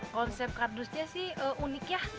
konsep kardusnya sih unik ya